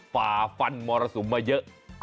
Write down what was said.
ฝ่าฟันมรสุมมาเยอะ